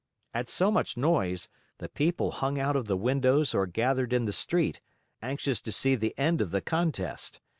At so much noise, the people hung out of the windows or gathered in the street, anxious to see the end of the contest.